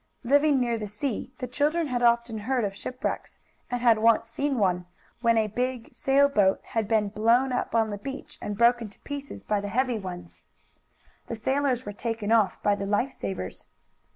Living near the sea the children had often heard of shipwrecks, and had once seen one, when a big sail boat had beep blown up on the beach and broken to pieces by the heavy waves. The sailors were taken off by the life savers.